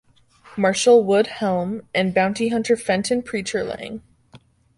Marshal Wood Helm and bounty hunter Fenton "Preacher" Lang.